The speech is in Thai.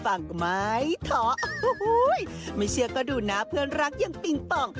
โอยแทบใจตรงนั้น